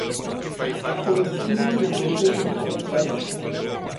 Foi veciño do Concello de Pontevedra